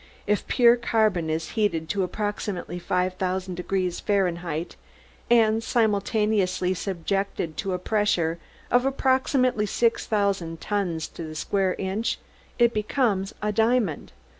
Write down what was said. If pure carbon is heated to approximately five thousand degrees Fahrenheit, and simultaneously subjected to a pressure of approximately six thousand tons to the square inch, it becomes a diamond.